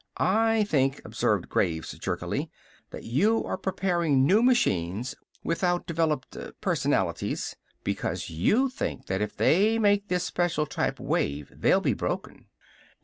"I think," observed Graves jerkily, "that you are preparing new machines, without developed personalities, because you think that if they make this special type wave they'll be broken."